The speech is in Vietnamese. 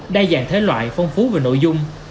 đa dạng thế loại phong phú về nội dung